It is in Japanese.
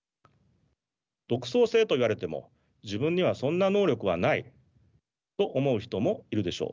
独創性と言われても自分にはそんな能力はないと思う人もいるでしょう。